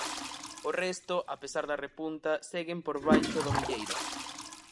O resto, a pesar da repunta, seguen por baixo do milleiro.